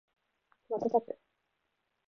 瞬く